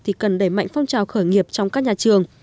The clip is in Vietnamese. thì cần đẩy mạnh phong trào khởi nghiệp trong các nhà trường